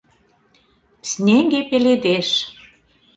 Снеге пеледеш –